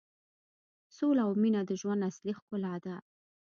سوله او مینه د ژوند اصلي ښکلا ده.